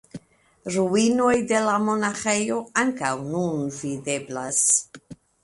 Ruinoj de la monaĥejo ankaŭ nun videblas.